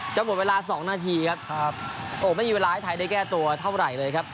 หมดเวลา๒นาทีครับโอ้ไม่มีเวลาให้ไทยได้แก้ตัวเท่าไหร่เลยครับ